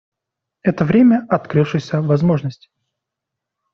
Это время открывшихся возможностей.